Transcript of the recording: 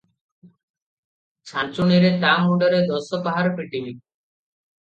ଛାଞ୍ଚୁଣିରେ ତା ମୁଣ୍ଡରେ ଦଶ ପାହାର ପିଟିବି!